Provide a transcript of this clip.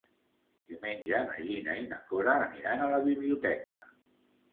Diumenge na Gina i na Cora aniran a la biblioteca.